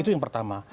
itu yang pertama